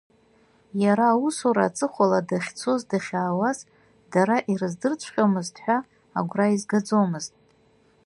Иара аусура аҵыхәала дахьцоз-дахьаауаз дара ирыздырҵәҟьомызт ҳәа агәра изгаӡомызт.